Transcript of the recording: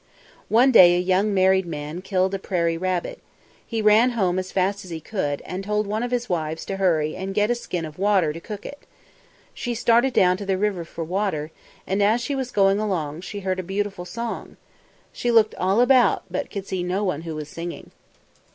One day a young married man killed a prairie rabbit. He ran home as fast as he could, and told one of his wives to hurry and get a skin of water to cook it. She started down to the river for water, and as she was going along she heard a beautiful song. She looked all about, but could see no one who was singing.